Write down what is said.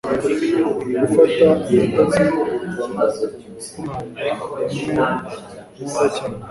gufata agatotsi k'umwanda nimwe nkunda cyane